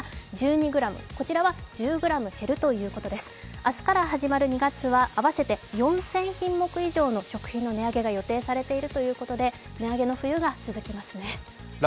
明日から始まる２月は合わせて４０００品目以上の値上げが予定されているということで値上げの冬が続きますね。